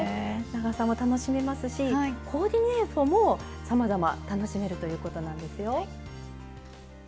長さも楽しめますしコーディネートもさまざま楽しめるということなんですよ。